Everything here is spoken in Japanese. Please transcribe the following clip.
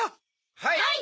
はい！